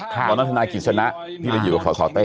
พี่อยู่กับสอสอเต้